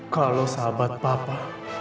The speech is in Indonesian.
kalau sahabat papa